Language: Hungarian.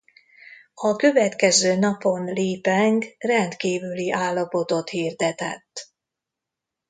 A következő napon Li Peng rendkívüli állapotot hirdetett.